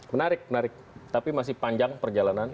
menarik menarik tapi masih panjang perjalanan